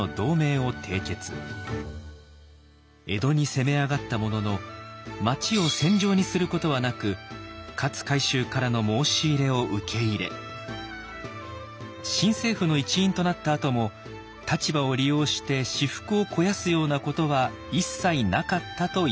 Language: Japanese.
江戸に攻め上がったものの町を戦場にすることはなく勝海舟からの申し入れを受け入れ新政府の一員となったあとも立場を利用して私腹を肥やすようなことは一切なかったといいます。